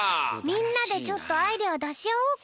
みんなでちょっとアイデアをだしあおうか。